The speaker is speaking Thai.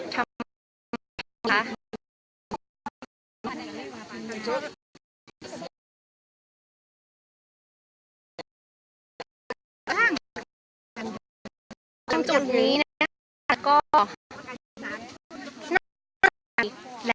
ทำค่ะ